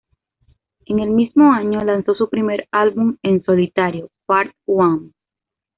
En el mismo año, lanzó su primer álbum en solitario, "Part One".